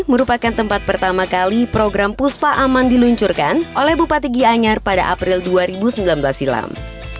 merupakan tempat pertama kali program puspa aman diluncurkan oleh bupati gianyar pada april dua ribu sembilan belas silam